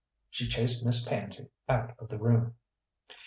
She chased Miss Pansy out of the room.